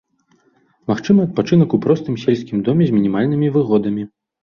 Магчымы адпачынак у простым сельскім доме з мінімальнымі выгодамі.